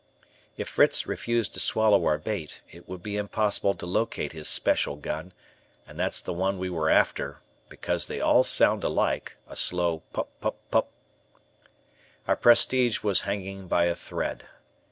If Fritz refused to swallow our bait, it would be impossible to locate his special gun, and that's the one we were after, because they all sound alike, a slow pup pup pup. Our prestige was hanging by a thread.